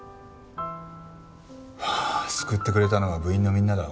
救ってくれたのは部員のみんなだ。